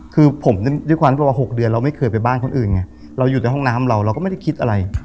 คือผมด้วยความที่ว่า๖เดือนเราไม่เคยไปบ้านคนอื่นไงเราอยู่ในห้องน้ำเราเราก็ไม่ได้คิดอะไร